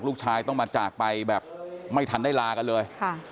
ลูกชายต้องมาจากไปแบบไม่ทันได้ลากันเลย